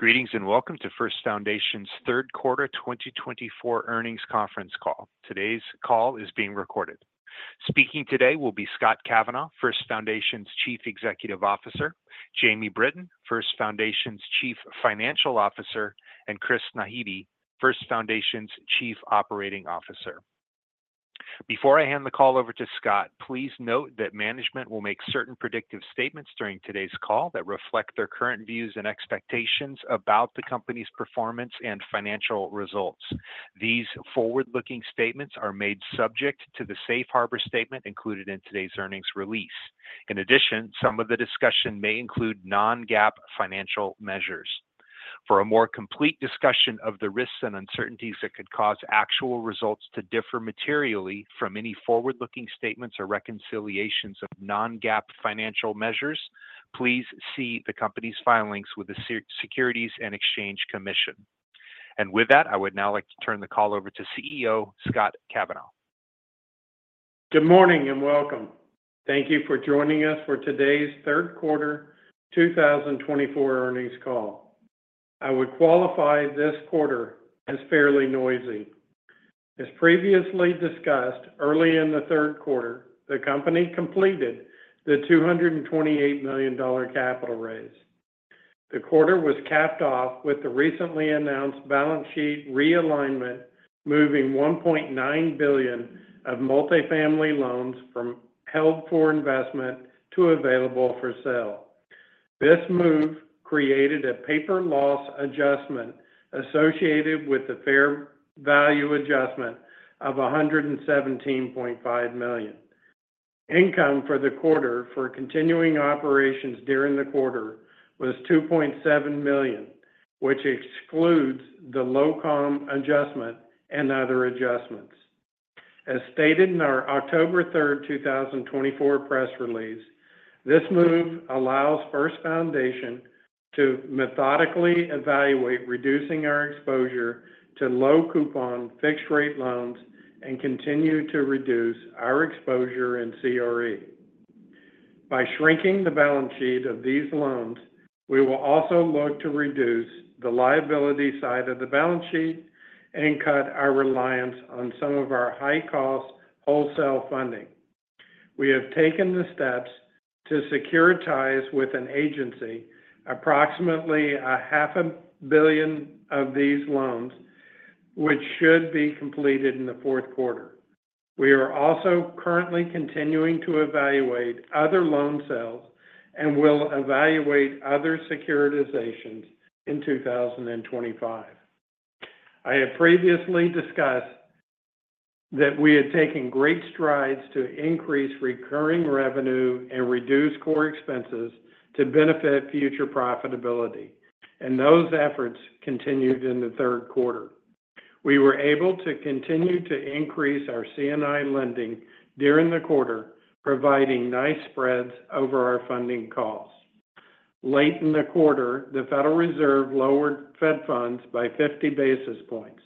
Greetings and welcome to First Foundation's third quarter 2024 earnings conference call. Today's call is being recorded. Speaking today will be Scott Kavanaugh, First Foundation's Chief Executive Officer, Jamie Britton, First Foundation's Chief Financial Officer, and Chris Naghibi, First Foundation's Chief Operating Officer. Before I hand the call over to Scott, please note that management will make certain predictive statements during today's call that reflect their current views and expectations about the company's performance and financial results. These forward-looking statements are made subject to the safe harbor statement included in today's earnings release. In addition, some of the discussion may include non-GAAP financial measures. For a more complete discussion of the risks and uncertainties that could cause actual results to differ materially from any forward-looking statements or reconciliations of non-GAAP financial measures, please see the company's filings with the Securities and Exchange Commission. With that, I would now like to turn the call over to CEO Scott Kavanaugh. Good morning and welcome. Thank you for joining us for today's third quarter 2024 earnings call. I would qualify this quarter as fairly noisy. As previously discussed, early in the third quarter, the company completed the $228 million capital raise. The quarter was capped off with the recently announced balance sheet realignment, moving $1.9 billion of multifamily loans from held for investment to available for sale. This move created a paper loss adjustment associated with the fair value adjustment of $117.5 million. Income for the quarter for continuing operations during the quarter was $2.7 million, which excludes the LOCOM adjustment and other adjustments. As stated in our October 3, 2024 press release, this move allows First Foundation to methodically evaluate reducing our exposure to low-coupon fixed-rate loans and continue to reduce our exposure in CRE. By shrinking the balance sheet of these loans, we will also look to reduce the liability side of the balance sheet and cut our reliance on some of our high-cost wholesale funding. We have taken the steps to securitize with an agency approximately $500 million of these loans, which should be completed in the fourth quarter. We are also currently continuing to evaluate other loan sales and will evaluate other securitizations in 2025. I have previously discussed that we had taken great strides to increase recurring revenue and reduce core expenses to benefit future profitability, and those efforts continued in the third quarter. We were able to continue to increase our C&I lending during the quarter, providing nice spreads over our funding costs. Late in the quarter, the Federal Reserve lowered Fed funds by 50 basis points.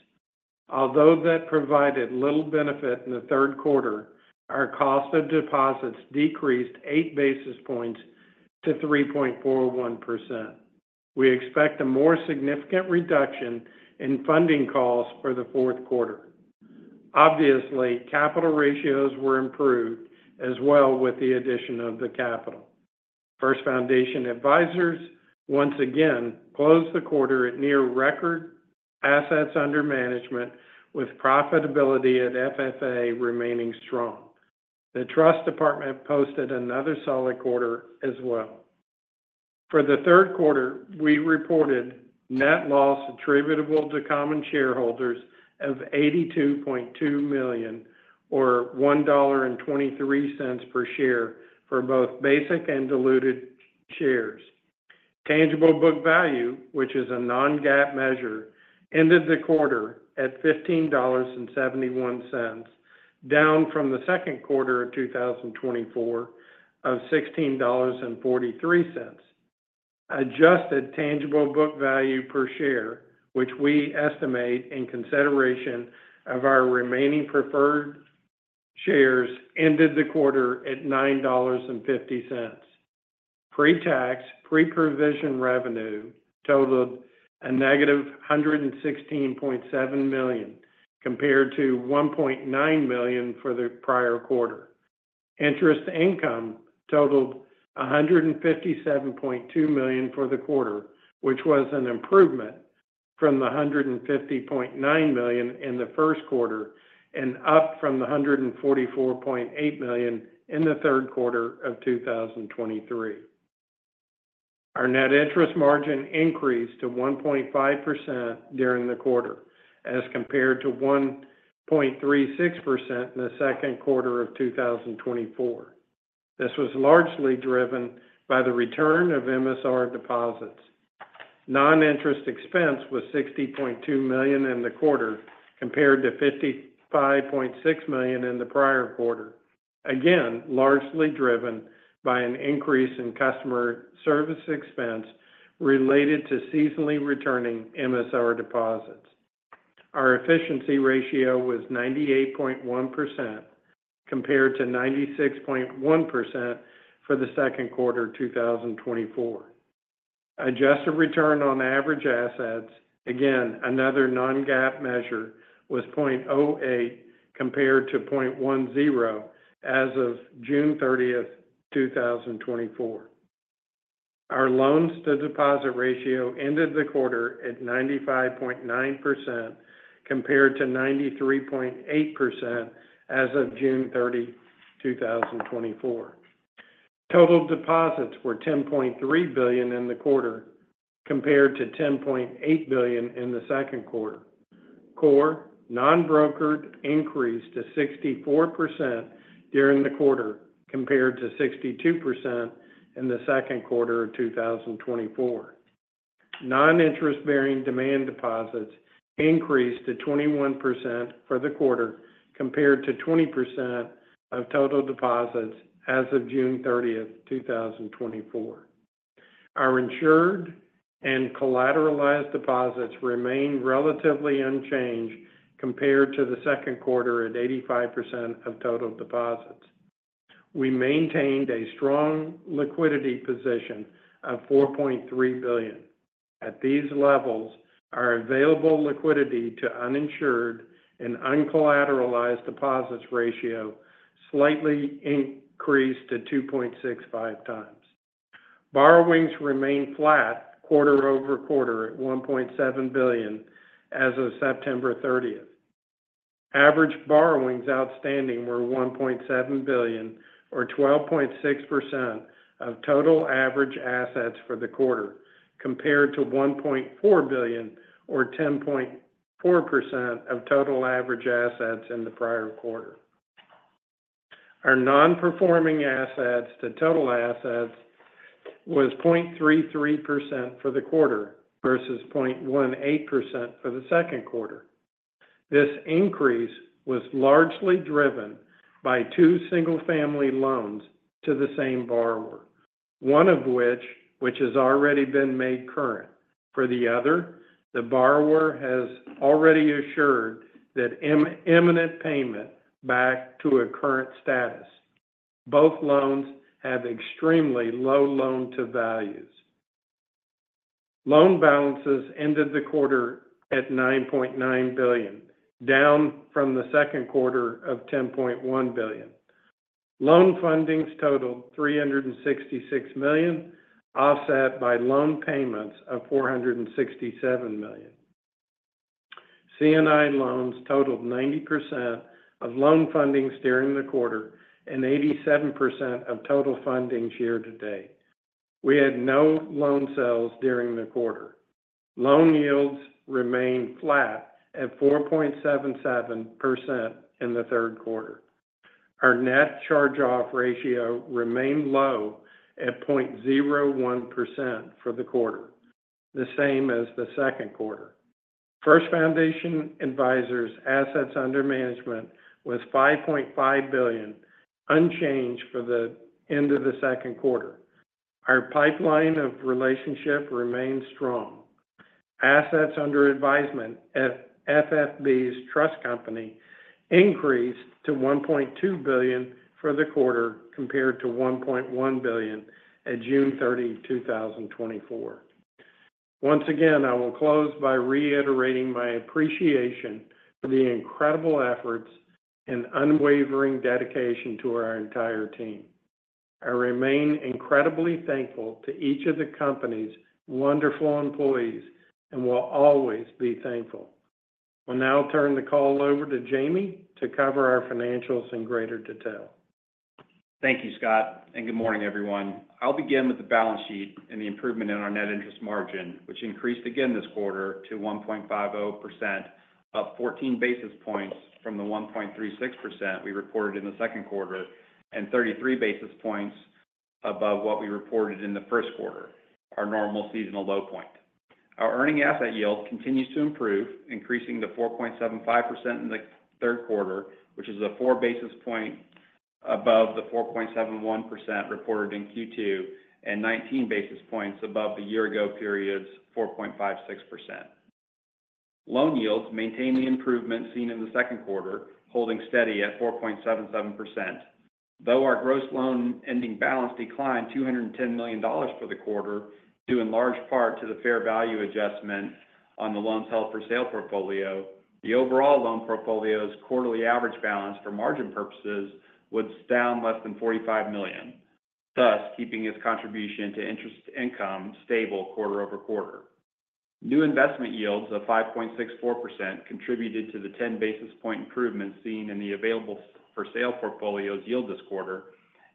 Although that provided little benefit in the third quarter, our cost of deposits decreased 8 basis points to 3.41%. We expect a more significant reduction in funding costs for the fourth quarter. Obviously, capital ratios were improved as well with the addition of the capital. First Foundation Advisors once again closed the quarter at near-record assets under management, with profitability at FFA remaining strong. The Trust Department posted another solid quarter as well. For the third quarter, we reported net loss attributable to common shareholders of $82.2 million, or $1.23 per share for both basic and diluted shares. Tangible Book Value, which is a non-GAAP measure, ended the quarter at $15.71, down from the second quarter of 2024 of $16.43. Adjusted Tangible Book Value per share, which we estimate in consideration of our remaining preferred shares, ended the quarter at $9.50. Pre-tax, pre-provision revenue totaled a negative $116.7 million compared to $1.9 million for the prior quarter. Interest income totaled $157.2 million for the quarter, which was an improvement from the $150.9 million in the first quarter and up from the $144.8 million in the third quarter of 2023. Our net interest margin increased to 1.5% during the quarter as compared to 1.36% in the second quarter of 2024. This was largely driven by the return of MSR deposits. Non-interest expense was $60.2 million in the quarter compared to $55.6 million in the prior quarter, again largely driven by an increase in customer service expense related to seasonally returning MSR deposits. Our efficiency ratio was 98.1% compared to 96.1% for the second quarter of 2024. Adjusted return on average assets, again another non-GAAP measure, was 0.08 compared to 0.10 as of June 30, 2024. Our loans-to-deposit ratio ended the quarter at 95.9% compared to 93.8% as of June 30, 2024. Total deposits were $10.3 billion in the quarter compared to $10.8 billion in the second quarter. Core non-brokered increased to 64% during the quarter compared to 62% in the second quarter of 2024. Non-interest-bearing demand deposits increased to 21% for the quarter compared to 20% of total deposits as of June 30, 2024. Our insured and collateralized deposits remained relatively unchanged compared to the second quarter at 85% of total deposits. We maintained a strong liquidity position of $4.3 billion. At these levels, our available liquidity to uninsured and uncollateralized deposits ratio slightly increased to 2.65x. Borrowings remained flat quarter over quarter at $1.7 billion as of September 30, 2024. Average borrowings outstanding were $1.7 billion, or 12.6% of total average assets for the quarter, compared to $1.4 billion, or 10.4% of total average assets in the prior quarter. Our non-performing assets to total assets was 0.33% for the quarter versus 0.18% for the second quarter. This increase was largely driven by two single-family loans to the same borrower, one of which has already been made current. For the other, the borrower has already assured that imminent payment back to a current status. Both loans have extremely low loan-to-values. Loan balances ended the quarter at $9.9 billion, down from the second quarter of $10.1 billion. Loan fundings totaled $366 million, offset by loan payments of $467 million. C&I loans totaled 90% of loan fundings during the quarter and 87% of total fundings year-to-date. We had no loan sales during the quarter. Loan yields remained flat at 4.77% in the third quarter. Our net charge-off ratio remained low at 0.01% for the quarter, the same as the second quarter. First Foundation Advisors' assets under management was $5.5 billion, unchanged for the end of the second quarter. Our pipeline of relationship remained strong. Assets under advisement at FFB's Trust Company increased to $1.2 billion for the quarter compared to $1.1 billion at June 30, 2024. Once again, I will close by reiterating my appreciation for the incredible efforts and unwavering dedication to our entire team. I remain incredibly thankful to each of the company's wonderful employees and will always be thankful. I'll now turn the call over to Jamie to cover our financials in greater detail. Thank you, Scott, and good morning, everyone. I'll begin with the balance sheet and the improvement in our net interest margin, which increased again this quarter to 1.50%, up 14 basis points from the 1.36% we reported in the second quarter and 33 basis points above what we reported in the first quarter, our normal seasonal low point. Our earning asset yield continues to improve, increasing to 4.75% in the third quarter, which is a 4 basis point above the 4.71% reported in Q2 and 19 basis points above the year-ago period's 4.56%. Loan yields maintain the improvement seen in the second quarter, holding steady at 4.77%. Though our gross loan ending balance declined $210 million for the quarter due in large part to the fair value adjustment on the loans held for sale portfolio, the overall loan portfolio's quarterly average balance for margin purposes was down less than $45 million, thus keeping its contribution to interest income stable quarter-over-quarter. New investment yields of 5.64% contributed to the 10 basis points improvement seen in the available for sale portfolio's yield this quarter,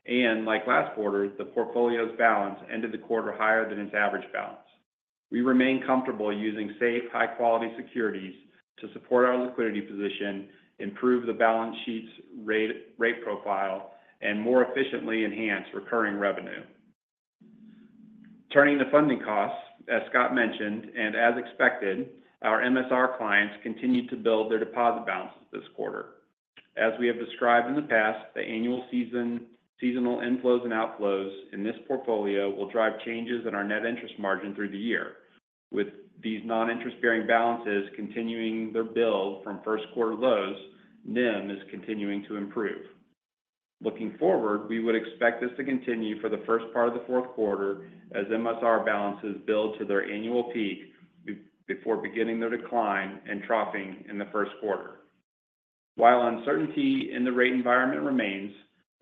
and like last quarter, the portfolio's balance ended the quarter higher than its average balance. We remain comfortable using safe, high-quality securities to support our liquidity position, improve the balance sheet's rate profile, and more efficiently enhance recurring revenue. Turning to funding costs, as Scott mentioned and as expected, our MSR clients continued to build their deposit balances this quarter. As we have described in the past, the annual seasonal inflows and outflows in this portfolio will drive changes in our net interest margin through the year. With these non-interest-bearing balances continuing to build from first quarter lows, NIM is continuing to improve. Looking forward, we would expect this to continue for the first part of the fourth quarter as MSR balances build to their annual peak before beginning their decline and troughing in the first quarter. While uncertainty in the rate environment remains,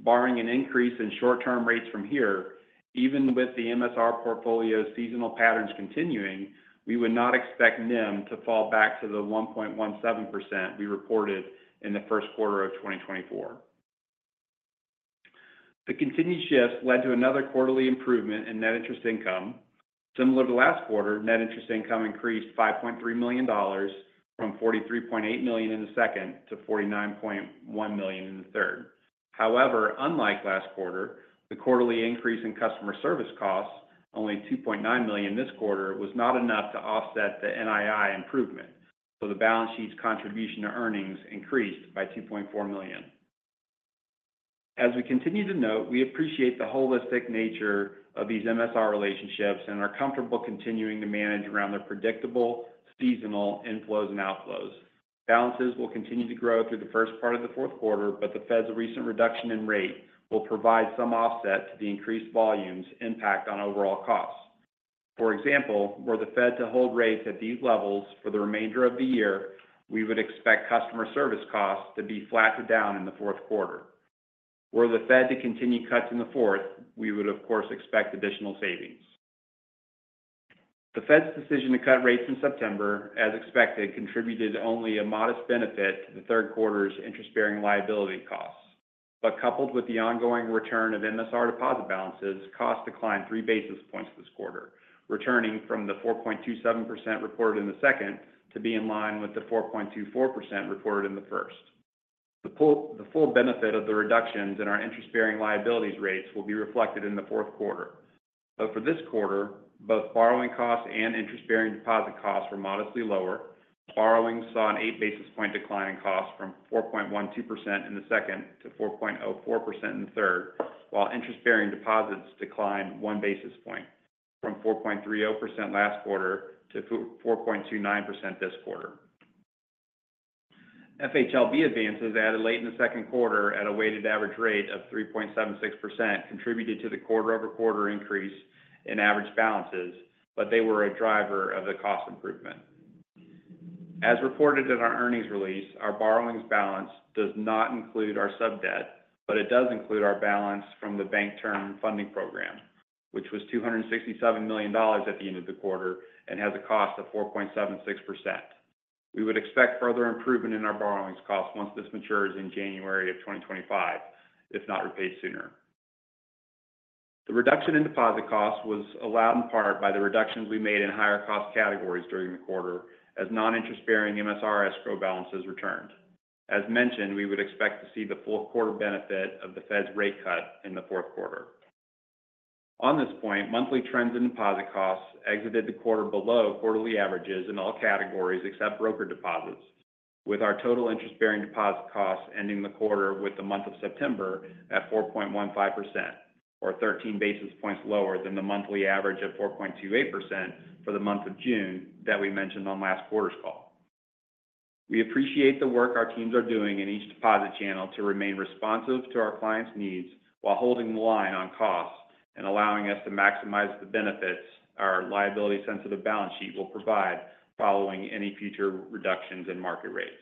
barring an increase in short-term rates from here, even with the MSR portfolio's seasonal patterns continuing, we would not expect NIM to fall back to the 1.17% we reported in the first quarter of 2024. The continued shifts led to another quarterly improvement in net interest income. Similar to last quarter, net interest income increased $5.3 million from $43.8 million in the second to $49.1 million in the third. However, unlike last quarter, the quarterly increase in customer service costs, only $2.9 million this quarter, was not enough to offset the NII improvement, so the balance sheet's contribution to earnings increased by $2.4 million. As we continue to note, we appreciate the holistic nature of these MSR relationships and are comfortable continuing to manage around their predictable seasonal inflows and outflows. Balances will continue to grow through the first part of the fourth quarter, but the Fed's recent reduction in rate will provide some offset to the increased volume's impact on overall costs. For example, were the Fed to hold rates at these levels for the remainder of the year, we would expect customer service costs to be flattened down in the fourth quarter. Were the Fed to continue cuts in the fourth, we would, of course, expect additional savings. The Fed's decision to cut rates in September, as expected, contributed only a modest benefit to the third quarter's interest-bearing liability costs. But coupled with the ongoing return of MSR deposit balances, costs declined three basis points this quarter, returning from the 4.27% reported in the second to be in line with the 4.24% reported in the first. The full benefit of the reductions in our interest-bearing liabilities rates will be reflected in the fourth quarter. But for this quarter, both borrowing costs and interest-bearing deposit costs were modestly lower. Borrowing saw an 8 basis point decline in costs from 4.12% in the second to 4.04% in the third, while interest-bearing deposits declined one basis point from 4.30% last quarter to 4.29% this quarter. FHLB advances added late in the second quarter at a weighted average rate of 3.76% contributed to the quarter-over-quarter increase in average balances, but they were a driver of the cost improvement. As reported in our earnings release, our borrowing balance does not include our sub-debt, but it does include our balance from the Bank Term Funding Program, which was $267 million at the end of the quarter and has a cost of 4.76%. We would expect further improvement in our borrowing costs once this matures in January of 2025, if not repaid sooner. The reduction in deposit costs was allowed in part by the reductions we made in higher cost categories during the quarter as non-interest-bearing MSR escrow balances returned. As mentioned, we would expect to see the full quarter benefit of the Fed's rate cut in the fourth quarter. On this point, monthly trends in deposit costs exited the quarter below quarterly averages in all categories except broker deposits, with our total interest-bearing deposit costs ending the quarter with the month of September at 4.15%, or 13 basis points lower than the monthly average of 4.28% for the month of June that we mentioned on last quarter's call. We appreciate the work our teams are doing in each deposit channel to remain responsive to our clients' needs while holding the line on costs and allowing us to maximize the benefits our liability-sensitive balance sheet will provide following any future reductions in market rates.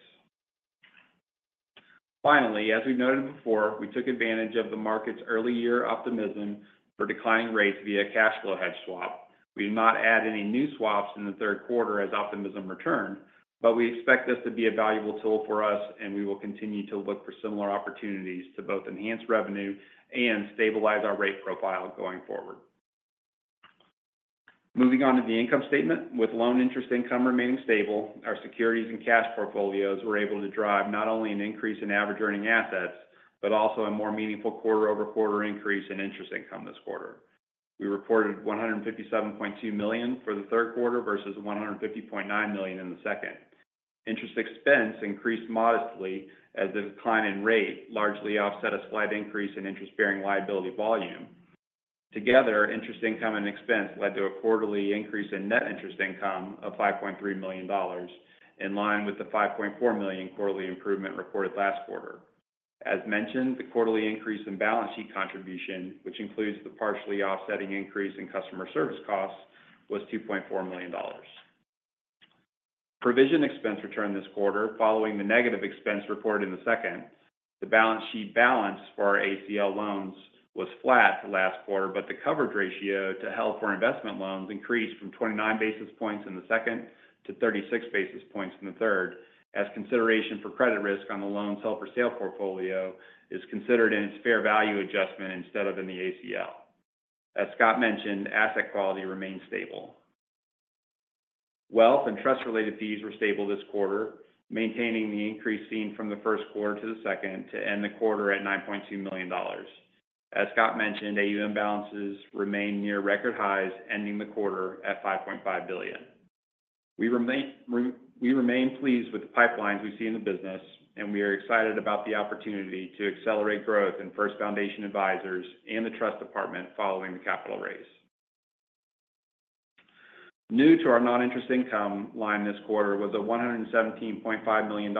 Finally, as we noted before, we took advantage of the market's early-year optimism for declining rates via cash flow hedge swap. We did not add any new swaps in the third quarter as optimism returned, but we expect this to be a valuable tool for us, and we will continue to look for similar opportunities to both enhance revenue and stabilize our rate profile going forward. Moving on to the income statement, with loan interest income remaining stable, our securities and cash portfolios were able to drive not only an increase in average earning assets but also a more meaningful quarter-over-quarter increase in interest income this quarter. We reported $157.2 million for the third quarter versus $150.9 million in the second. Interest expense increased modestly as the decline in rate largely offset a slight increase in interest-bearing liability volume. Together, interest income and expense led to a quarterly increase in net interest income of $5.3 million, in line with the $5.4 million quarterly improvement reported last quarter. As mentioned, the quarterly increase in balance sheet contribution, which includes the partially offsetting increase in customer service costs, was $2.4 million. Provision expense returned this quarter following the negative expense reported in the second. The balance sheet balance for our ACL loans was flat last quarter, but the coverage ratio to held-for-investment loans increased from 29 basis points in the second to 36 basis points in the third, as consideration for credit risk on the loans held for sale portfolio is considered in its fair value adjustment instead of in the ACL. As Scott mentioned, asset quality remained stable. Wealth and trust-related fees were stable this quarter, maintaining the increase seen from the first quarter to the second to end the quarter at $9.2 million. As Scott mentioned, AUM balances remained near record highs, ending the quarter at $5.5 billion. We remain pleased with the pipelines we see in the business, and we are excited about the opportunity to accelerate growth in First Foundation Advisors and the Trust Department following the capital raise. New to our non-interest income line this quarter was a $117.5 million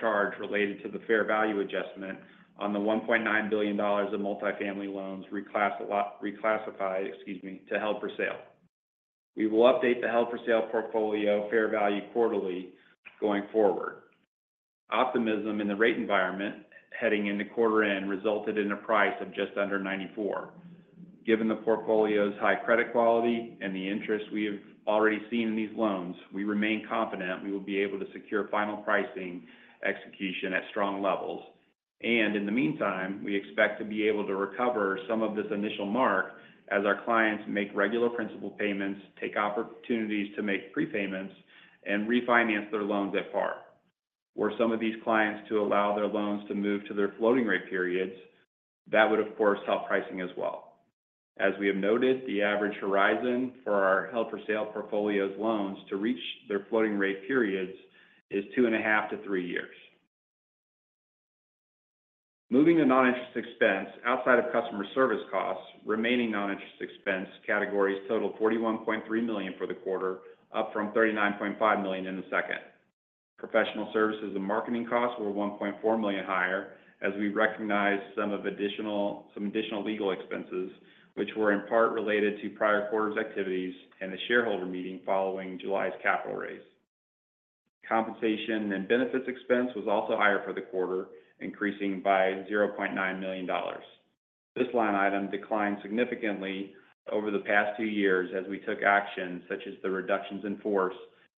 charge related to the fair value adjustment on the $1.9 billion of multifamily loans reclassified to held for sale. We will update the held-for-sale portfolio fair value quarterly going forward. Optimism in the rate environment heading into quarter-end resulted in a price of just under $94. Given the portfolio's high credit quality and the interest we have already seen in these loans, we remain confident we will be able to secure final pricing execution at strong levels. And in the meantime, we expect to be able to recover some of this initial mark as our clients make regular principal payments, take opportunities to make prepayments, and refinance their loans at par. Were some of these clients to allow their loans to move to their floating rate periods, that would, of course, help pricing as well. As we have noted, the average horizon for our held-for-sale portfolio's loans to reach their floating rate periods is two and a half to three years. Moving to non-interest expense, outside of customer service costs, remaining non-interest expense categories totaled $41.3 million for the quarter, up from $39.5 million in the second. Professional services and marketing costs were $1.4 million higher, as we recognize some additional legal expenses, which were in part related to prior quarter's activities and the shareholder meeting following July's capital raise. Compensation and benefits expense was also higher for the quarter, increasing by $0.9 million. This line item declined significantly over the past two years as we took actions such as the reductions in force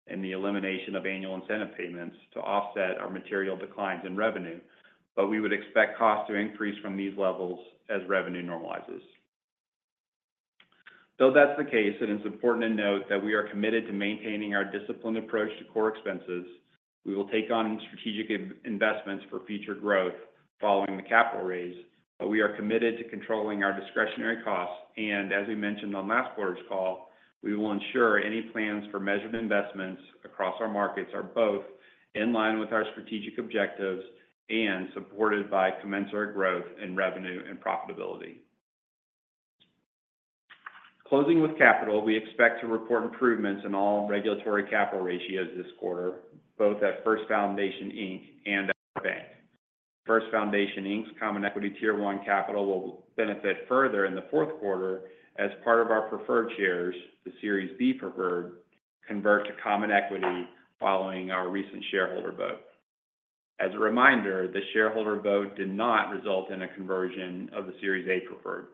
and the elimination of annual incentive payments to offset our material declines in revenue, but we would expect costs to increase from these levels as revenue normalizes. Though that's the case, it is important to note that we are committed to maintaining our disciplined approach to core expenses. We will take on strategic investments for future growth following the capital raise, but we are committed to controlling our discretionary costs, and as we mentioned on last quarter's call, we will ensure any plans for measured investments across our markets are both in line with our strategic objectives and supported by commensurate growth in revenue and profitability. Closing with capital, we expect to report improvements in all regulatory capital ratios this quarter, both at First Foundation Inc. and at our bank. First Foundation Inc.'s Common Equity Tier 1 capital will benefit further in the fourth quarter as part of our preferred shares, the Series B preferred, convert to common equity following our recent shareholder vote. As a reminder, the shareholder vote did not result in a conversion of the Series A preferred.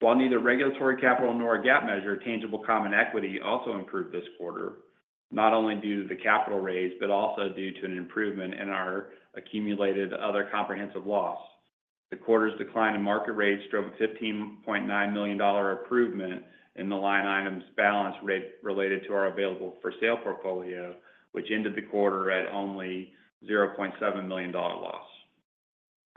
While neither regulatory capital nor a GAAP measure, Tangible Common Equity also improved this quarter, not only due to the capital raise but also due to an improvement in our accumulated other comprehensive loss. The quarter's decline in market rates drove a $15.9 million improvement in the line item's balance rate related to our available-for-sale portfolio, which ended the quarter at only $0.7 million loss.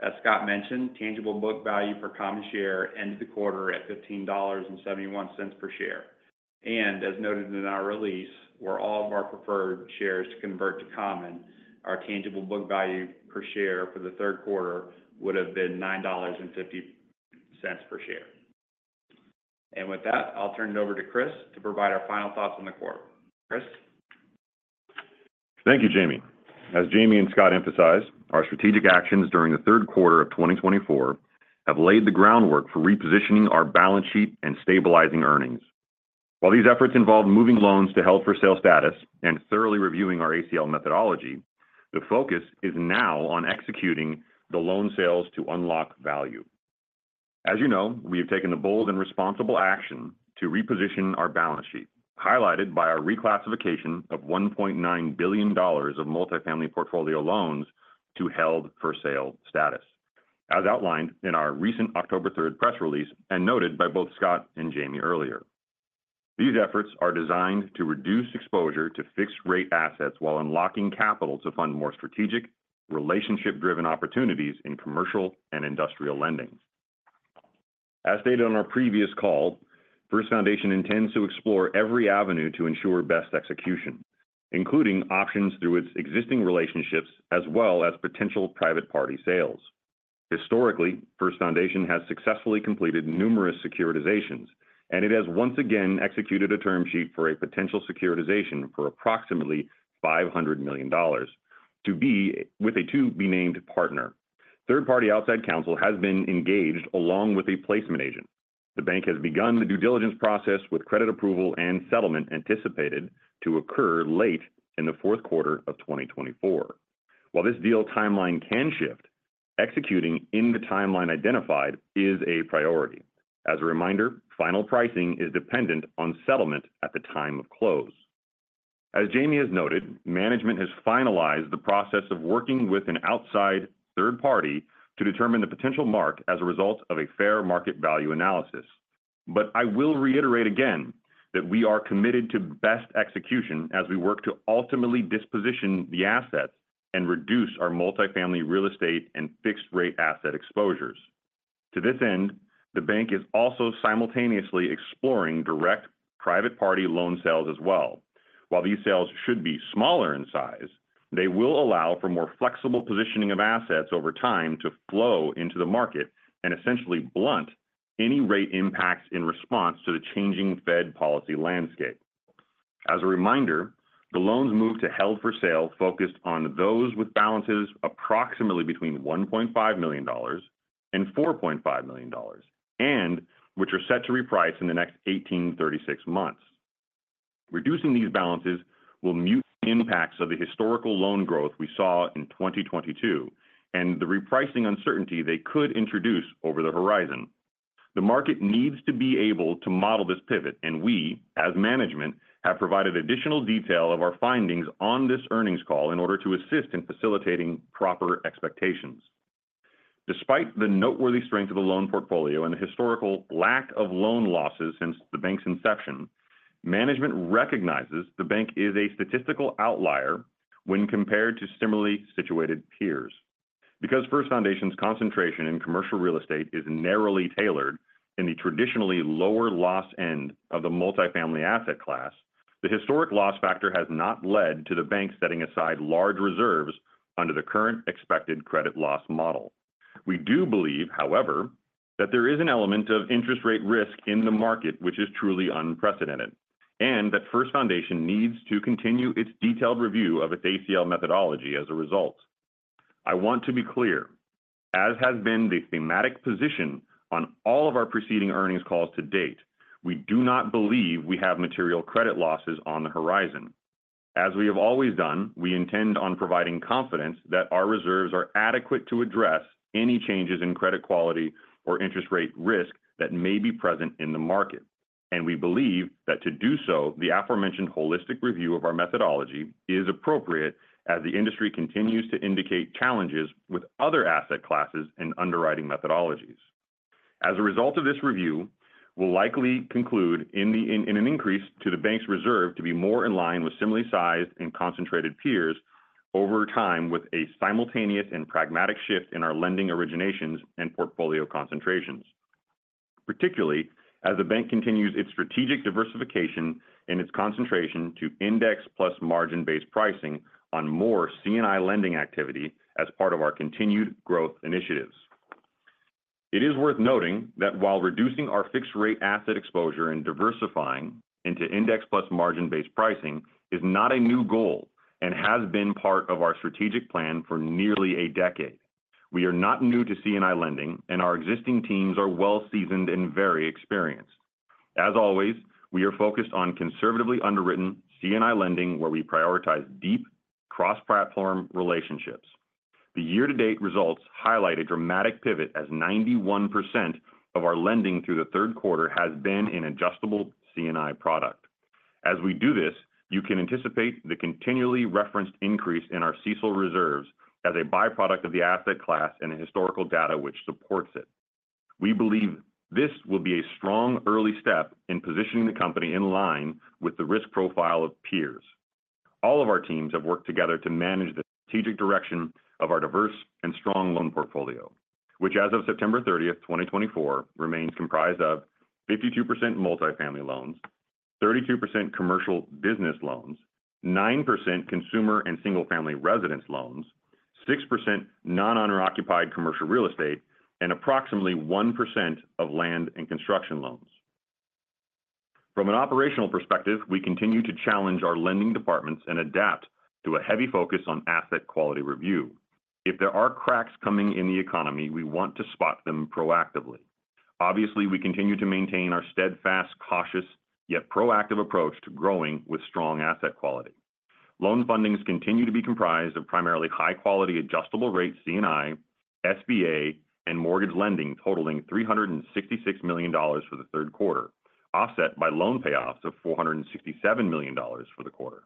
As Scott mentioned, tangible book value per common share ended the quarter at $15.71 per share. And as noted in our release, where all of our preferred shares to convert to common, our tangible book value per share for the third quarter would have been $9.50 per share. And with that, I'll turn it over to Chris to provide our final thoughts on the quarter. Chris? Thank you, Jamie. As Jamie and Scott emphasized, our strategic actions during the third quarter of 2024 have laid the groundwork for repositioning our balance sheet and stabilizing earnings. While these efforts involve moving loans to held-for-sale status and thoroughly reviewing our ACL methodology, the focus is now on executing the loan sales to unlock value. As you know, we have taken the bold and responsible action to reposition our balance sheet, highlighted by our reclassification of $1.9 billion of multifamily portfolio loans to held-for-sale status, as outlined in our recent October 3rd press release and noted by both Scott and Jamie earlier. These efforts are designed to reduce exposure to fixed-rate assets while unlocking capital to fund more strategic, relationship-driven opportunities in commercial and industrial lending. As stated on our previous call, First Foundation intends to explore every avenue to ensure best execution, including options through its existing relationships as well as potential private-party sales. Historically, First Foundation has successfully completed numerous securitizations, and it has once again executed a term sheet for a potential securitization for approximately $500 million with a to-be-named partner. Third-party outside counsel has been engaged along with a placement agent. The bank has begun the due diligence process with credit approval and settlement anticipated to occur late in the fourth quarter of 2024. While this deal timeline can shift, executing in the timeline identified is a priority. As a reminder, final pricing is dependent on settlement at the time of close. As Jamie has noted, management has finalized the process of working with an outside third party to determine the potential mark as a result of a fair market value analysis. But I will reiterate again that we are committed to best execution as we work to ultimately disposition the assets and reduce our multifamily real estate and fixed-rate asset exposures. To this end, the bank is also simultaneously exploring direct private party loan sales as well. While these sales should be smaller in size, they will allow for more flexible positioning of assets over time to flow into the market and essentially blunt any rate impacts in response to the changing Fed policy landscape. As a reminder, the loans moved to held-for-sale focused on those with balances approximately between $1.5 million and $4.5 million, and which are set to reprice in the next 18 to 36 months. Reducing these balances will mute the impacts of the historical loan growth we saw in 2022 and the repricing uncertainty they could introduce over the horizon. The market needs to be able to model this pivot, and we, as management, have provided additional detail of our findings on this earnings call in order to assist in facilitating proper expectations. Despite the noteworthy strength of the loan portfolio and the historical lack of loan losses since the bank's inception, management recognizes the bank is a statistical outlier when compared to similarly situated peers. Because First Foundation's concentration in commercial real estate is narrowly tailored in the traditionally lower loss end of the multifamily asset class, the historic loss factor has not led to the bank setting aside large reserves under the current expected credit loss model. We do believe, however, that there is an element of interest rate risk in the market which is truly unprecedented, and that First Foundation needs to continue its detailed review of its ACL methodology as a result. I want to be clear. As has been the thematic position on all of our preceding earnings calls to date, we do not believe we have material credit losses on the horizon. As we have always done, we intend on providing confidence that our reserves are adequate to address any changes in credit quality or interest rate risk that may be present in the market, and we believe that to do so, the aforementioned holistic review of our methodology is appropriate as the industry continues to indicate challenges with other asset classes and underwriting methodologies. As a result of this review, we'll likely conclude in an increase to the bank's reserve to be more in line with similarly sized and concentrated peers over time with a simultaneous and pragmatic shift in our lending originations and portfolio concentrations, particularly as the bank continues its strategic diversification in its concentration to index plus margin-based pricing on more C&I lending activity as part of our continued growth initiatives. It is worth noting that while reducing our fixed-rate asset exposure and diversifying into index plus margin-based pricing is not a new goal and has been part of our strategic plan for nearly a decade, we are not new to C&I lending, and our existing teams are well-seasoned and very experienced. As always, we are focused on conservatively underwritten C&I lending where we prioritize deep cross-platform relationships. The year-to-date results highlight a dramatic pivot as 91% of our lending through the third quarter has been in adjustable C&I product. As we do this, you can anticipate the continually referenced increase in our CECL reserves as a byproduct of the asset class and the historical data which supports it. We believe this will be a strong early step in positioning the company in line with the risk profile of peers. All of our teams have worked together to manage the strategic direction of our diverse and strong loan portfolio, which as of September 30th, 2024, remains comprised of 52% multifamily loans, 32% commercial business loans, 9% consumer and single-family residence loans, 6% non-owner-occupied commercial real estate, and approximately 1% of land and construction loans. From an operational perspective, we continue to challenge our lending departments and adapt to a heavy focus on asset quality review. If there are cracks coming in the economy, we want to spot them proactively. Obviously, we continue to maintain our steadfast, cautious, yet proactive approach to growing with strong asset quality. Loan funding has continued to be comprised of primarily high-quality adjustable rate C&I, SBA, and mortgage lending totaling $366 million for the third quarter, offset by loan payoffs of $467 million for the quarter.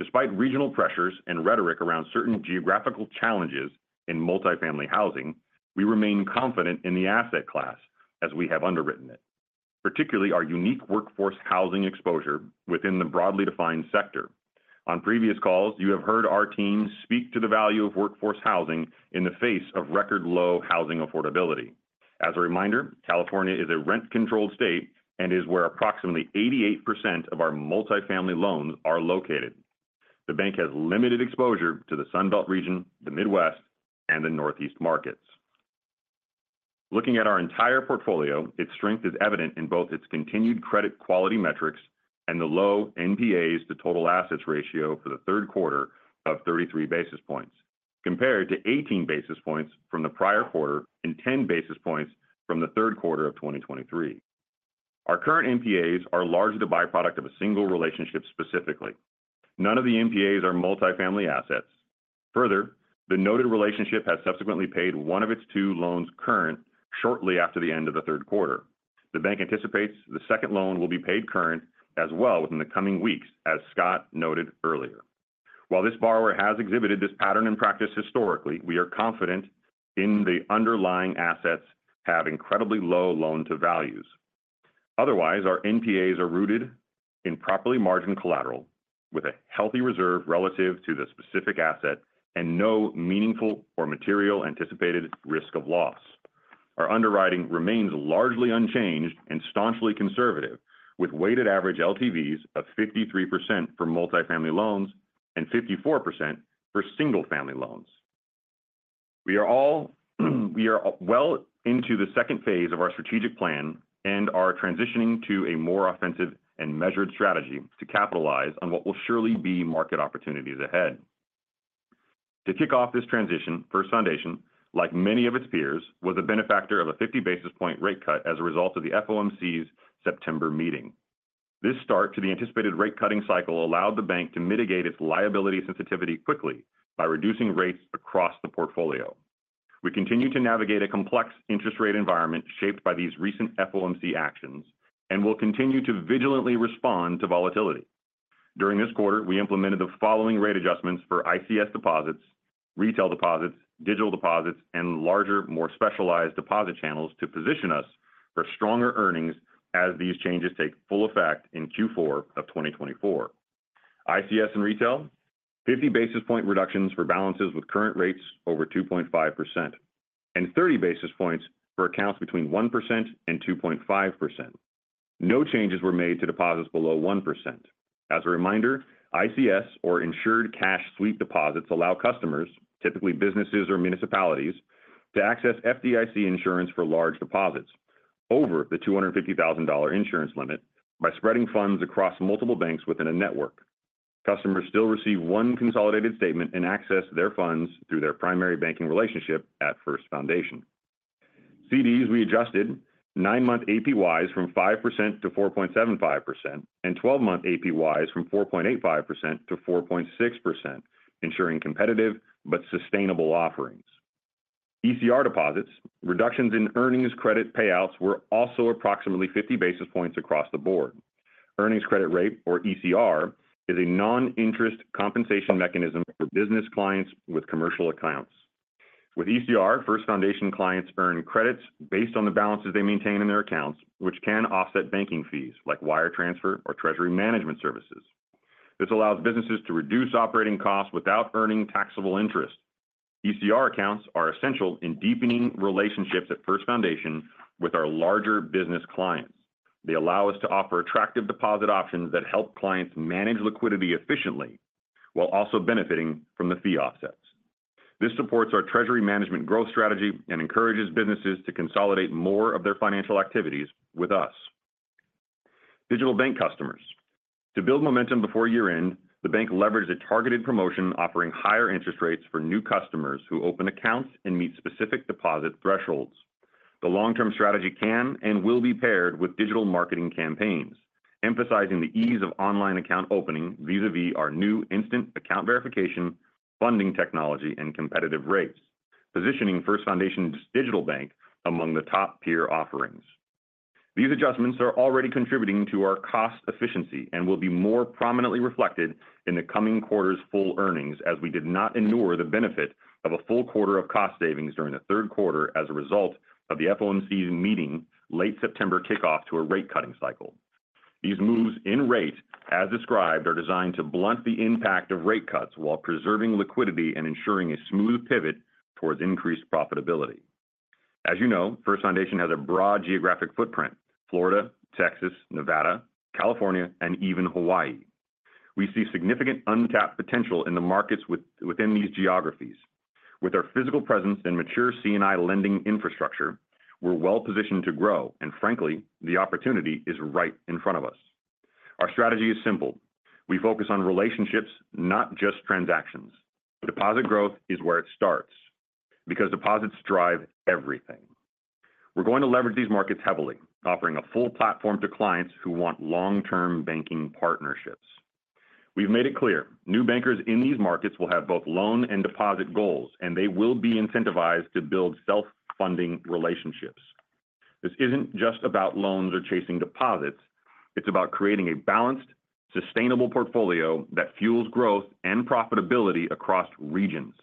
Despite regional pressures and rhetoric around certain geographical challenges in multifamily housing, we remain confident in the asset class as we have underwritten it, particularly our unique workforce housing exposure within the broadly defined sector. On previous calls, you have heard our team speak to the value of workforce housing in the face of record-low housing affordability. As a reminder, California is a rent-controlled state and is where approximately 88% of our multifamily loans are located. The bank has limited exposure to the Sunbelt region, the Midwest, and the Northeast markets. Looking at our entire portfolio, its strength is evident in both its continued credit quality metrics and the low NPAs to total assets ratio for the third quarter of 33 basis points, compared to 18 basis points from the prior quarter and 10 basis points from the third quarter of 2023. Our current NPAs are largely the byproduct of a single relationship specifically. None of the NPAs are multifamily assets. Further, the noted relationship has subsequently paid one of its two loans current shortly after the end of the third quarter. The bank anticipates the second loan will be paid current as well within the coming weeks, as Scott noted earlier. While this borrower has exhibited this pattern in practice historically, we are confident in the underlying assets have incredibly low loan-to-values. Otherwise, our NPAs are rooted in properly margined collateral with a healthy reserve relative to the specific asset and no meaningful or material anticipated risk of loss. Our underwriting remains largely unchanged and staunchly conservative, with weighted average LTVs of 53% for multifamily loans and 54% for single-family loans. We are well into the second phase of our strategic plan and are transitioning to a more offensive and measured strategy to capitalize on what will surely be market opportunities ahead. To kick off this transition, First Foundation, like many of its peers, was a benefactor of a 50 basis point rate cut as a result of the FOMC's September meeting. This start to the anticipated rate-cutting cycle allowed the bank to mitigate its liability sensitivity quickly by reducing rates across the portfolio. We continue to navigate a complex interest rate environment shaped by these recent FOMC actions and will continue to vigilantly respond to volatility. During this quarter, we implemented the following rate adjustments for ICS deposits, retail deposits, digital deposits, and larger, more specialized deposit channels to position us for stronger earnings as these changes take full effect in Q4 of 2024. ICS and retail, 50 basis points reductions for balances with current rates over 2.5%, and 30 basis points for accounts between 1% and 2.5%. No changes were made to deposits below 1%. As a reminder, ICS or insured cash sweep deposits allow customers, typically businesses or municipalities, to access FDIC insurance for large deposits over the $250,000 insurance limit by spreading funds across multiple banks within a network. Customers still receive one consolidated statement and access their funds through their primary banking relationship at First Foundation. CDs we adjusted nine-month APYs from 5% to 4.75% and 12-month APYs from 4.85% to 4.6%, ensuring competitive but sustainable offerings. ECR deposits, reductions in earnings credit payouts were also approximately 50 basis points across the board. Earnings credit rate, or ECR, is a non-interest compensation mechanism for business clients with commercial accounts. With ECR, First Foundation clients earn credits based on the balances they maintain in their accounts, which can offset banking fees like wire transfer or treasury management services. This allows businesses to reduce operating costs without earning taxable interest. ECR accounts are essential in deepening relationships at First Foundation with our larger business clients. They allow us to offer attractive deposit options that help clients manage liquidity efficiently while also benefiting from the fee offsets. This supports our treasury management growth strategy and encourages businesses to consolidate more of their financial activities with us. Digital Bank customers, to build momentum before year-end, the bank leveraged a targeted promotion offering higher interest rates for new customers who open accounts and meet specific deposit thresholds. The long-term strategy can and will be paired with digital marketing campaigns, emphasizing the ease of online account opening vis-à-vis our new instant account verification, funding technology, and competitive rates, positioning First Foundation's digital bank among the top-tier offerings. These adjustments are already contributing to our cost efficiency and will be more prominently reflected in the coming quarter's full earnings as we did not ignore the benefit of a full quarter of cost savings during the third quarter as a result of the FOMC's meeting late September kickoff to a rate-cutting cycle. These moves in rate, as described, are designed to blunt the impact of rate cuts while preserving liquidity and ensuring a smooth pivot towards increased profitability. As you know, First Foundation has a broad geographic footprint: Florida, Texas, Nevada, California, and even Hawaii. We see significant untapped potential in the markets within these geographies. With our physical presence and mature C&I lending infrastructure, we're well-positioned to grow, and frankly, the opportunity is right in front of us. Our strategy is simple. We focus on relationships, not just transactions. Deposit growth is where it starts because deposits drive everything. We're going to leverage these markets heavily, offering a full platform to clients who want long-term banking partnerships. We've made it clear new bankers in these markets will have both loan and deposit goals, and they will be incentivized to build self-funding relationships. This isn't just about loans or chasing deposits. It's about creating a balanced, sustainable portfolio that fuels growth and profitability across regions.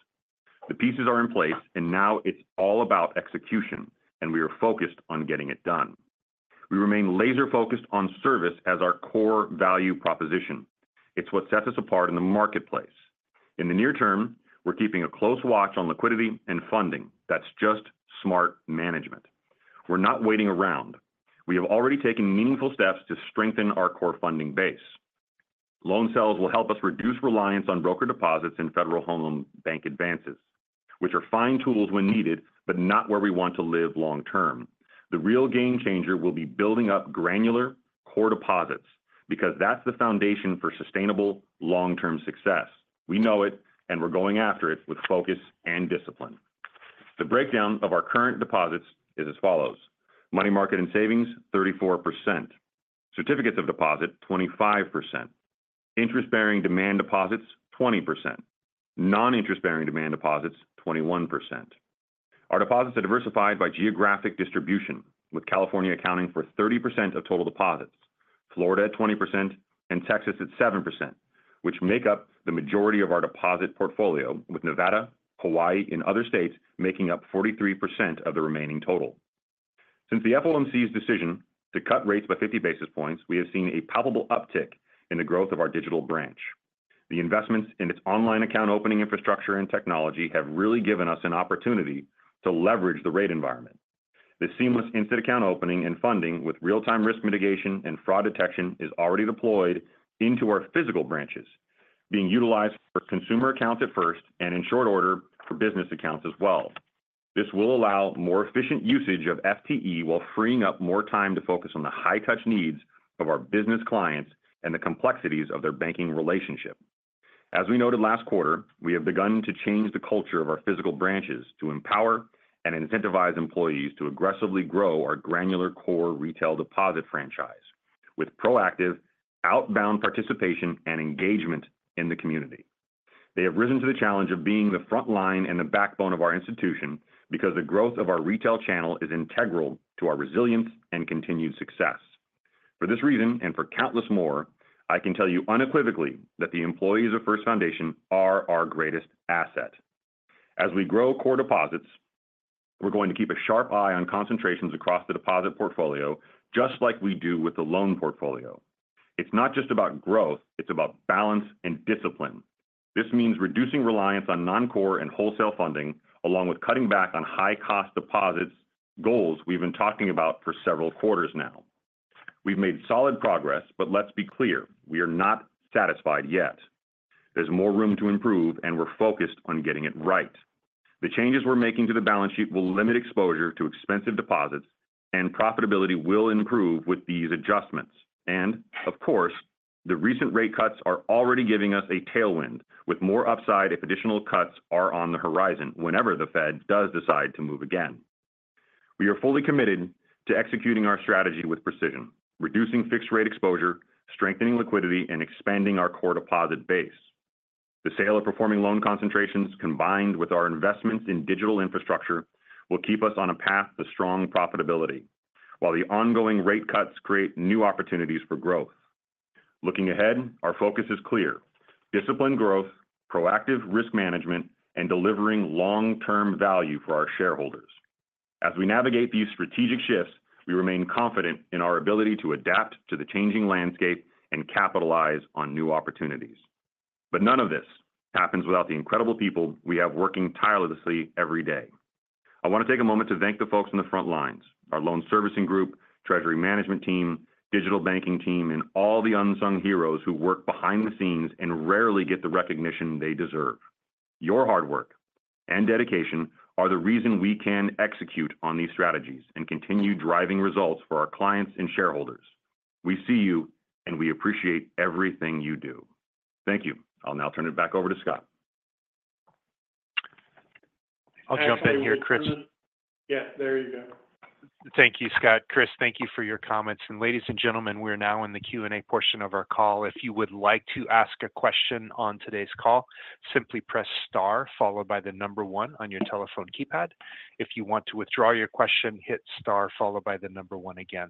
The pieces are in place, and now it's all about execution, and we are focused on getting it done. We remain laser-focused on service as our core value proposition. It's what sets us apart in the marketplace. In the near term, we're keeping a close watch on liquidity and funding. That's just smart management. We're not waiting around. We have already taken meaningful steps to strengthen our core funding base. Loan sales will help us reduce reliance on brokered deposits and Federal Home Loan Bank advances, which are fine tools when needed, but not where we want to live long-term. The real game changer will be building up granular core deposits because that's the foundation for sustainable long-term success. We know it, and we're going after it with focus and discipline. The breakdown of our current deposits is as follows: money market and savings, 34%; certificates of deposit, 25%; interest-bearing demand deposits, 20%; non-interest-bearing demand deposits, 21%. Our deposits are diversified by geographic distribution, with California accounting for 30% of total deposits, Florida at 20%, and Texas at 7%, which make up the majority of our deposit portfolio, with Nevada, Hawaii, and other states making up 43% of the remaining total. Since the FOMC's decision to cut rates by 50 basis points, we have seen a palpable uptick in the growth of our digital branch. The investments in its online account opening infrastructure and technology have really given us an opportunity to leverage the rate environment. The seamless instant account opening and funding with real-time risk mitigation and fraud detection is already deployed into our physical branches, being utilized for consumer accounts at first and in short order for business accounts as well. This will allow more efficient usage of FTE while freeing up more time to focus on the high-touch needs of our business clients and the complexities of their banking relationship. As we noted last quarter, we have begun to change the culture of our physical branches to empower and incentivize employees to aggressively grow our granular core retail deposit franchise with proactive, outbound participation and engagement in the community. They have risen to the challenge of being the front line and the backbone of our institution because the growth of our retail channel is integral to our resilience and continued success. For this reason and for countless more, I can tell you unequivocally that the employees of First Foundation are our greatest asset. As we grow core deposits, we're going to keep a sharp eye on concentrations across the deposit portfolio, just like we do with the loan portfolio. It's not just about growth. It's about balance and discipline. This means reducing reliance on non-core and wholesale funding, along with cutting back on high-cost deposits goals we've been talking about for several quarters now. We've made solid progress, but let's be clear: we are not satisfied yet. There's more room to improve, and we're focused on getting it right. The changes we're making to the balance sheet will limit exposure to expensive deposits, and profitability will improve with these adjustments, and of course, the recent rate cuts are already giving us a tailwind with more upside if additional cuts are on the horizon whenever the Fed does decide to move again. We are fully committed to executing our strategy with precision, reducing fixed-rate exposure, strengthening liquidity, and expanding our core deposit base. The sale of performing loan concentrations, combined with our investments in digital infrastructure, will keep us on a path to strong profitability, while the ongoing rate cuts create new opportunities for growth. Looking ahead, our focus is clear: disciplined growth, proactive risk management, and delivering long-term value for our shareholders. As we navigate these strategic shifts, we remain confident in our ability to adapt to the changing landscape and capitalize on new opportunities. But none of this happens without the incredible people we have working tirelessly every day. I want to take a moment to thank the folks on the front lines: our loan servicing group, treasury management team, digital banking team, and all the unsung heroes who work behind the scenes and rarely get the recognition they deserve. Your hard work and dedication are the reason we can execute on these strategies and continue driving results for our clients and shareholders. We see you, and we appreciate everything you do. Thank you. I'll now turn it back over to Scott. I'll jump in here, Chris. Yeah, there you go. Thank you, Scott. Chris, thank you for your comments, and ladies and gentlemen, we are now in the Q&A portion of our call. If you would like to ask a question on today's call, simply press star followed by the number one on your telephone keypad. If you want to withdraw your question, hit star followed by the number one again.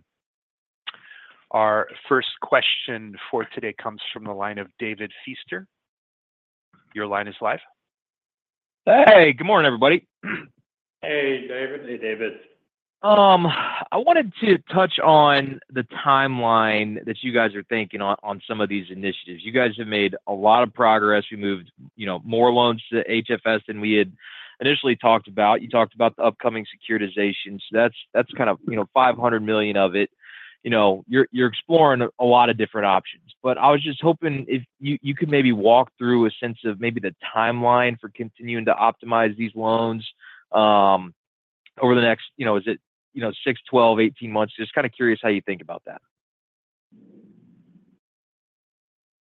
Our first question for today comes from the line of David Feaster. Your line is live. Hey, good morning, everybody. Hey, David. Hey, David. I wanted to touch on the timeline that you guys are thinking on some of these initiatives. You guys have made a lot of progress. We moved more loans to HFS than we had initially talked about. You talked about the upcoming securitization. So that's kind of $500 million of it. You're exploring a lot of different options. But I was just hoping if you could maybe walk through a sense of maybe the timeline for continuing to optimize these loans over the next six, 12, 18 months. Just kind of curious how you think about that.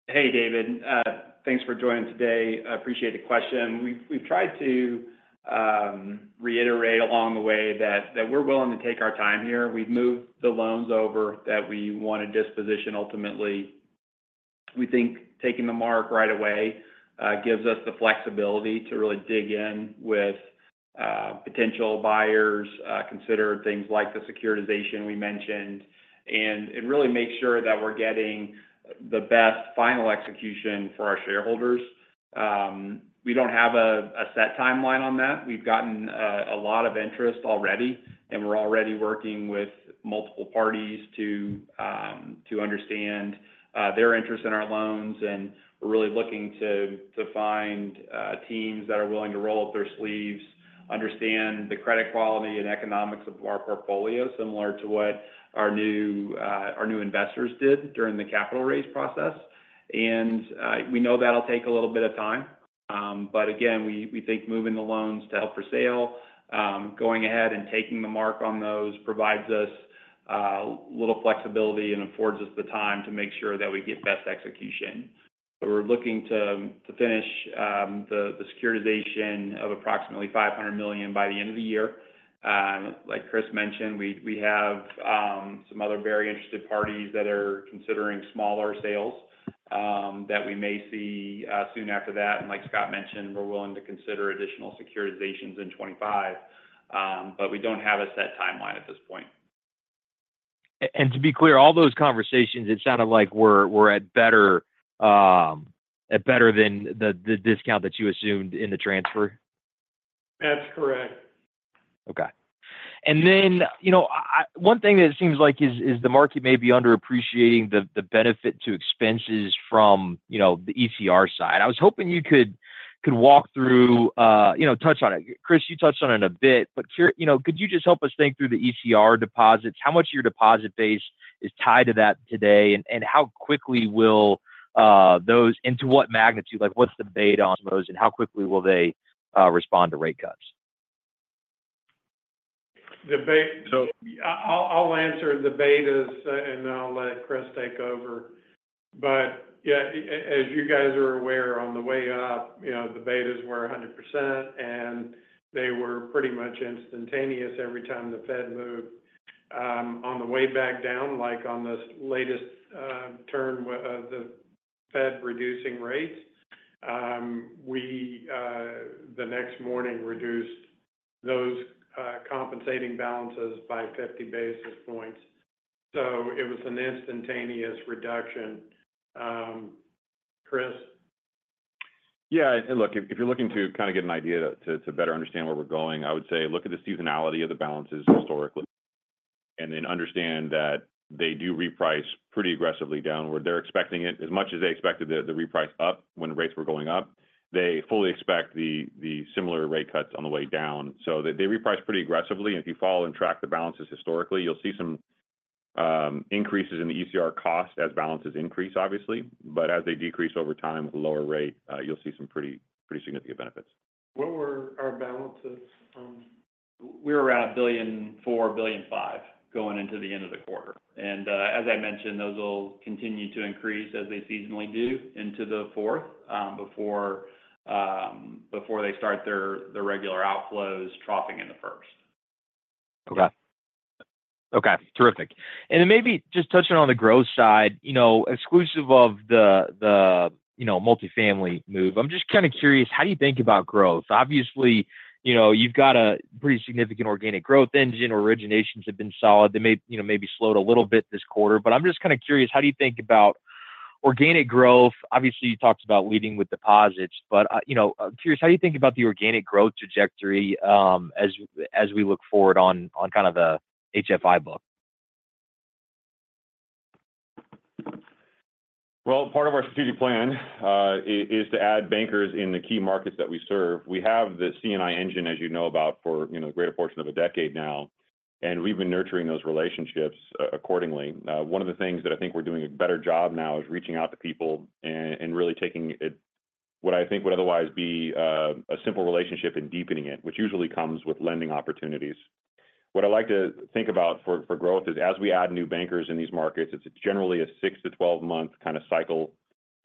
Hey, David. Thanks for joining today. I appreciate the question. We've tried to reiterate along the way that we're willing to take our time here. We've moved the loans over that we want to disposition ultimately. We think taking the mark right away gives us the flexibility to really dig in with potential buyers, consider things like the securitization we mentioned, and really make sure that we're getting the best final execution for our shareholders. We don't have a set timeline on that. We've gotten a lot of interest already, and we're already working with multiple parties to understand their interest in our loans. We're really looking to find teams that are willing to roll up their sleeves, understand the credit quality and economics of our portfolio, similar to what our new investors did during the capital raise process. We know that'll take a little bit of time. But again, we think moving the loans to held for sale, going ahead and taking the mark on those provides us a little flexibility and affords us the time to make sure that we get best execution. We're looking to finish the securitization of approximately $500 million by the end of the year. Like Chris mentioned, we have some other very interested parties that are considering smaller sales that we may see soon after that. And like Scott mentioned, we're willing to consider additional securitizations in 2025, but we don't have a set timeline at this point. And to be clear, all those conversations, it sounded like we're at better than the discount that you assumed in the transfer. That's correct. Okay. And then one thing that it seems like is the market may be underappreciating the benefit to expenses from the ECR side. I was hoping you could walk through, touch on it. Chris, you touched on it a bit, but could you just help us think through the ECR deposits? How much of your deposit base is tied to that today, and how quickly will those and to what magnitude? What's the debate on those, and how quickly will they respond to rate cuts? So I'll answer the betas, and I'll let Chris take over. But yeah, as you guys are aware, on the way up, the betas were 100%, and they were pretty much instantaneous every time the Fed moved. On the way back down, like on this latest turn of the Fed reducing rates, we the next morning reduced those compensating balances by 50 basis points. So it was an instantaneous reduction. Chris? Yeah. Look, if you're looking to kind of get an idea to better understand where we're going, I would say look at the seasonality of the balances historically and then understand that they do reprice pretty aggressively downward. They're expecting it as much as they expected the reprice up when rates were going up. They fully expect the similar rate cuts on the way down. So they reprice pretty aggressively. And if you follow and track the balances historically, you'll see some increases in the ECR cost as balances increase, obviously. But as they decrease over time with a lower rate, you'll see some pretty significant benefits. What were our balances? We were around $4 billion-$5 billion going into the end of the quarter. And as I mentioned, those will continue to increase as they seasonally do into the fourth before they start their regular outflows troughing in the first. Okay. Okay. Terrific. And then maybe just touching on the growth side, exclusive of the multifamily move, I'm just kind of curious, how do you think about growth? Obviously, you've got a pretty significant organic growth engine. Originations have been solid. They may be slowed a little bit this quarter. But I'm just kind of curious, how do you think about organic growth? Obviously, you talked about leading with deposits. But I'm curious, how do you think about the organic growth trajectory as we look forward on kind of the HFI book? Well, part of our strategic plan is to add bankers in the key markets that we serve. We have the C&I engine, as you know, about for the greater portion of a decade now, and we've been nurturing those relationships accordingly. One of the things that I think we're doing a better job now is reaching out to people and really taking what I think would otherwise be a simple relationship and deepening it, which usually comes with lending opportunities. What I like to think about for growth is as we add new bankers in these markets, it's generally a six to 12-month kind of cycle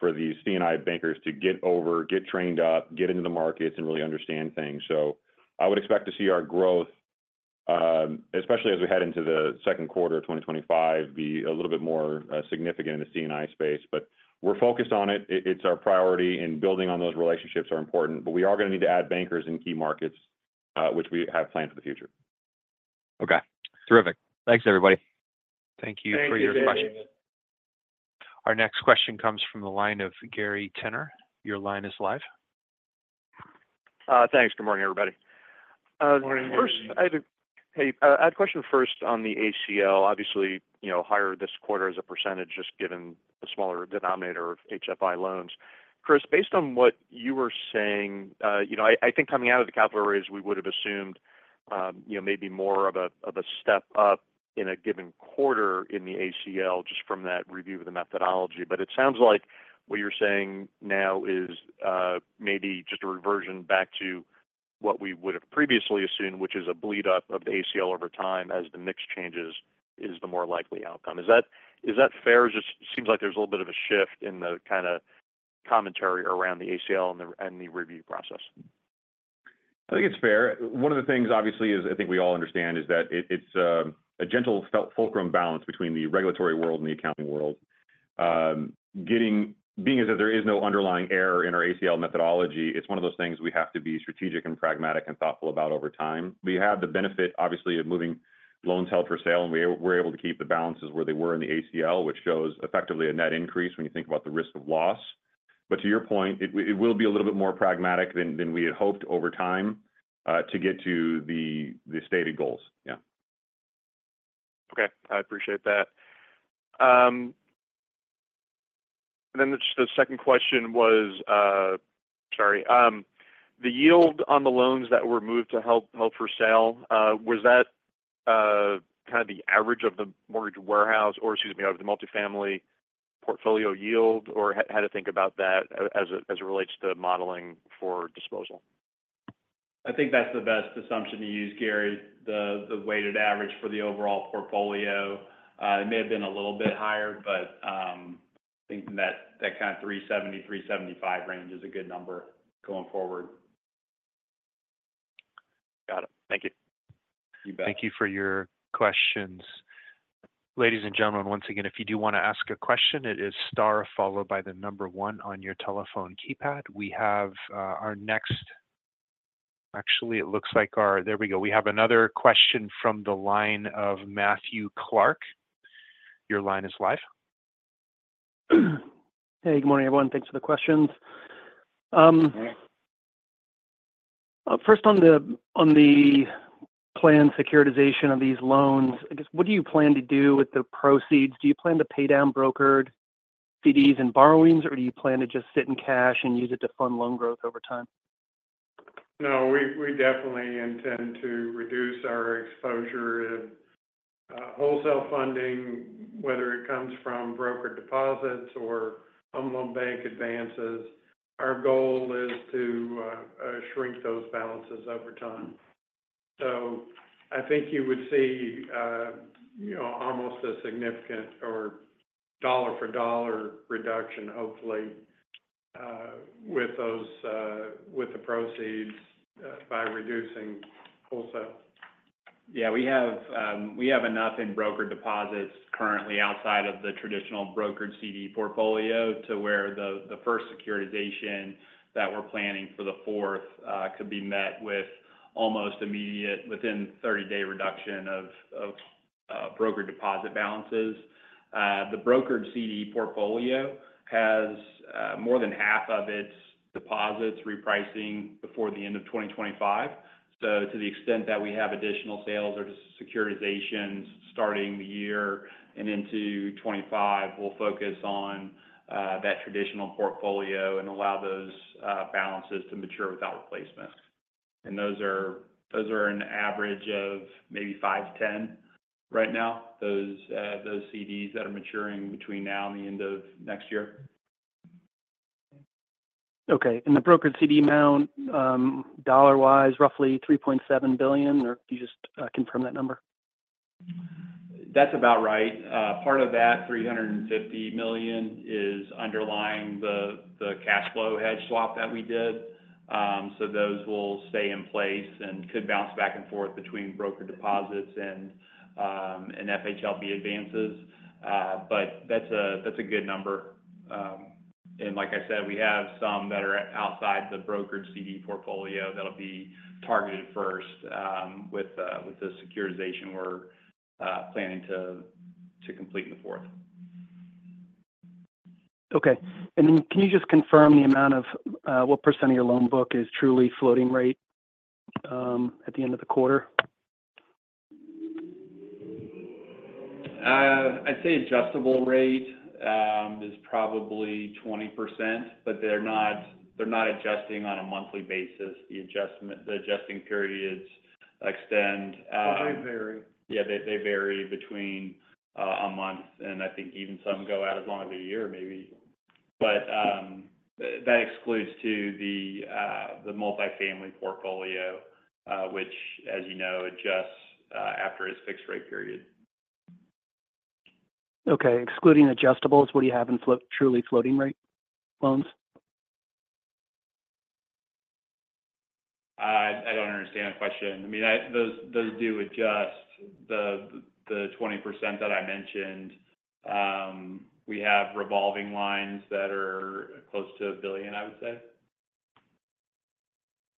for these C&I bankers to get over, get trained up, get into the markets, and really understand things. So I would expect to see our growth, especially as we head into the second quarter of 2025, be a little bit more significant in the C&I space. But we're focused on it. It's our priority, and building on those relationships are important. But we are going to need to add bankers in key markets, which we have planned for the future. Okay. Terrific. Thanks, everybody. Thank you for your question. Our next question comes from the line of Gary Tenner. Your line is live. Thanks. Good morning, everybody. Good morning. Hey, I had a question first on the ACL. Obviously, higher this quarter as a % just given the smaller denominator of HFI loans. Chris, based on what you were saying, I think coming out of the capital raise, we would have assumed maybe more of a step up in a given quarter in the ACL just from that review of the methodology. But it sounds like what you're saying now is maybe just a reversion back to what we would have previously assumed, which is a bleed up of the ACL over time as the mix changes is the more likely outcome. Is that fair? It just seems like there's a little bit of a shift in the kind of commentary around the ACL and the review process. I think it's fair. One of the things, obviously, is I think we all understand is that it's a gentle fulcrum balance between the regulatory world and the accounting world. Being as if there is no underlying error in our ACL methodology, it's one of those things we have to be strategic and pragmatic and thoughtful about over time. We have the benefit, obviously, of moving loans held for sale, and we're able to keep the balances where they were in the ACL, which shows effectively a net increase when you think about the risk of loss. But to your point, it will be a little bit more pragmatic than we had hoped over time to get to the stated goals. Yeah. Okay. I appreciate that. And then the second question was, sorry, the yield on the loans that were moved to held for sale, was that kind of the average of the mortgage warehouse or, excuse me, of the multifamily portfolio yield, or how to think about that as it relates to modeling for disposal? I think that's the best assumption to use, Gary, the weighted average for the overall portfolio. It may have been a little bit higher, but I think that kind of 370, 375 range is a good number going forward. Got it. Thank you. You bet. Thank you for your questions. Ladies and gentlemen, once again, if you do want to ask a question, it is star followed by the number one on your telephone keypad. We have our next. Actually, it looks like. There we go. We have another question from the line of Matthew Clark. Your line is live. Hey, good morning, everyone. Thanks for the questions. First, on the planned securitization of these loans, I guess, what do you plan to do with the proceeds? Do you plan to pay down brokered CDs and borrowings, or do you plan to just sit in cash and use it to fund loan growth over time? No, we definitely intend to reduce our exposure in wholesale funding, whether it comes from brokered deposits or Federal Home Loan Bank advances. Our goal is to shrink those balances over time. So I think you would see almost a significant dollar-for-dollar reduction, hopefully, with the proceeds by reducing wholesale. Yeah. We have enough in brokered deposits currently outside of the traditional brokered CD portfolio to where the first securitization that we're planning for the fourth could be met with almost immediate within 30-day reduction of brokered deposit balances. The brokered CD portfolio has more than half of its deposits repricing before the end of 2025. So to the extent that we have additional sales or just securitizations starting the year and into 2025, we'll focus on that traditional portfolio and allow those balances to mature without replacement. Those are an average of maybe 5-10 right now, those CDs that are maturing between now and the end of next year. Okay. And the brokered CD amount, dollar-wise, roughly $3.7 billion, or can you just confirm that number? That's about right. Part of that $350 million is underlying the cash flow hedge swap that we did. So those will stay in place and could bounce back and forth between brokered deposits and FHLB advances. But that's a good number. And like I said, we have some that are outside the brokered CD portfolio that'll be targeted first with the securitization we're planning to complete in the fourth. Okay. And then can you just confirm the amount of what percent of your loan book is truly floating rate at the end of the quarter? I'd say adjustable rate is probably 20%, but they're not adjusting on a monthly basis. The adjusting periods extend. They vary. Yeah, they vary between a month, and I think even some go out as long as a year maybe. But that excludes too the multifamily portfolio, which, as you know, adjusts after its fixed rate period. Okay. Excluding adjustables, what do you have in truly floating rate loans? I don't understand the question. I mean, those do adjust the 20% that I mentioned. We have revolving lines that are close to $1 billion, I would say.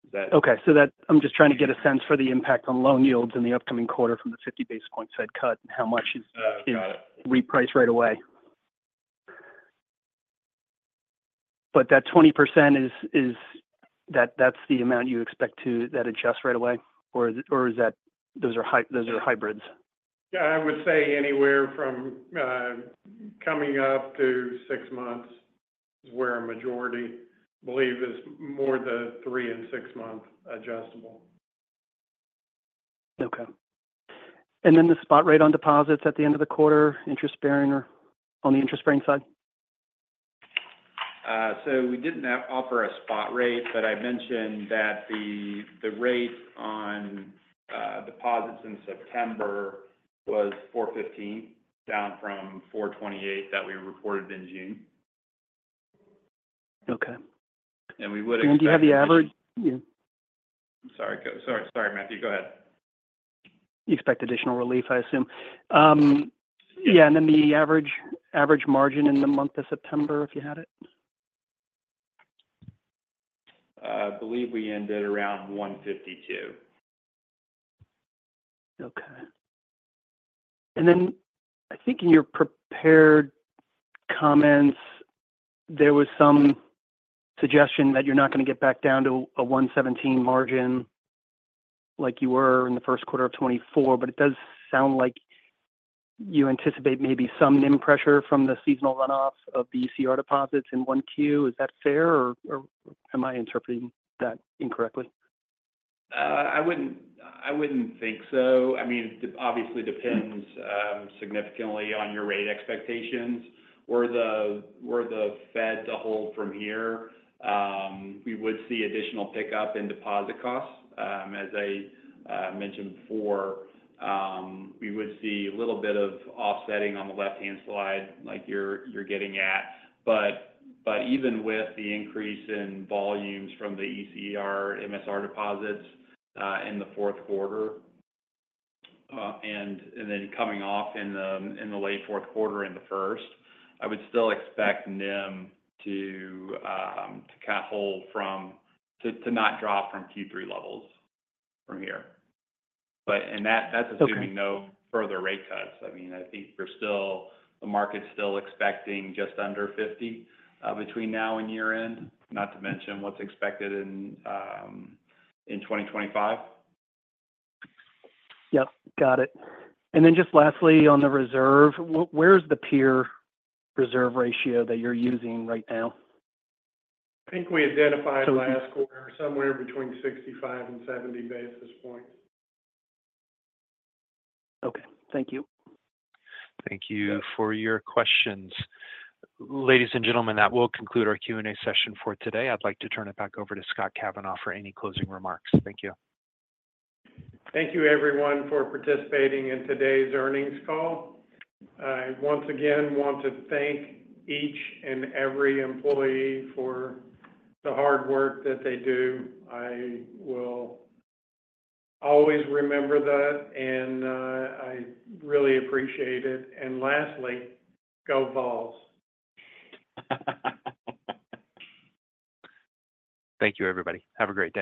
Is that? Okay. So I'm just trying to get a sense for the impact on loan yields in the upcoming quarter from the 50 basis points Fed cut and how much is repriced right away. But that 20%, that's the amount you expect to that adjusts right away, or those are hybrids? Yeah. I would say anywhere from coming up to six months is where a majority believe is more than three- and six-month adjustable. Okay. And then the spot rate on deposits at the end of the quarter, interest-bearing or on the interest-bearing side? So we didn't offer a spot rate, but I mentioned that the rate on deposits in September was 415, down from 428 that we reported in June. Okay. And we would expect. And do you have the average? I'm sorry. Sorry, Matthew. Go ahead. You expect additional relief, I assume. Yeah. And then the average margin in the month of September, if you had it? I believe we ended around 152. Okay. And then I think in your prepared comments, there was some suggestion that you're not going to get back down to a 117 margin like you were in the first quarter of 2024. But it does sound like you anticipate maybe some NIM pressure from the seasonal runoff of the ECR deposits in Q1. Is that fair, or am I interpreting that incorrectly? I wouldn't think so. I mean, it obviously depends significantly on your rate expectations or the Fed to hold from here. We would see additional pickup in deposit costs. As I mentioned before, we would see a little bit of offsetting on the left-hand side like you're getting at. But even with the increase in volumes from the ECR MSR deposits in the fourth quarter and then coming off in the late fourth quarter and Q1, I would still expect NIM to kind of hold from Q3 to not drop from Q3 levels from here. And that's assuming no further rate cuts. I mean, I think the market's still expecting just under 50 between now and year-end, not to mention what's expected in 2025. Yep. Got it. And then just lastly, on the reserve, where's the peer reserve ratio that you're using right now? I think we identified last quarter somewhere between 65 and 70 basis points. Okay. Thank you. Thank you for your questions. Ladies and gentlemen, that will conclude our Q&A session for today. I'd like to turn it back over to Scott Kavanaugh for any closing remarks. Thank you. Thank you, everyone, for participating in today's earnings call. I once again want to thank each and every employee for the hard work that they do. I will always remember that, and I really appreciate it. And lastly, go Vols. Thank you, everybody. Have a great day.